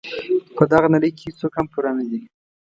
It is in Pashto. په دغه نړۍ کې هیڅوک هم پوره نه دي.